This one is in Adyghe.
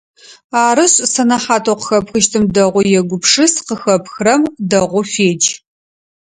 Арышъ, сэнэхьатэу къыхэпхыщтым дэгъоу егупшыс, къыхэпхрэм дэгъоу федж!